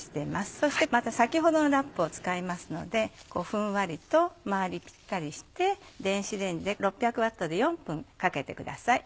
そしてまた先ほどのラップを使いますのでふんわりと周りぴったりして電子レンジで６００Ｗで４分かけてください。